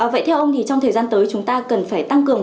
vậy theo ông thì trong thời gian tới chúng ta cần phải tăng cường